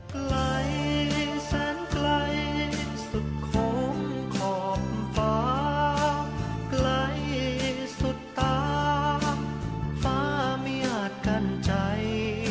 ไกลแสนไกลสุดโค้งขอบฟ้าไกลสุดตาฟ้าไม่อาจกั้นใจ